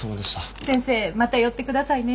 先生また寄ってくださいね。